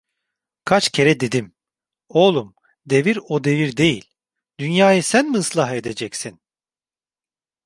Kaç kere dedim: Oğlum, devir o devir değil, dünyayı sen mi ıslah edeceksin?